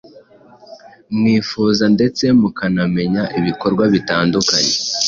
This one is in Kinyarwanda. mwifuza ndetse mukanamenya ibikorwa bitandukanye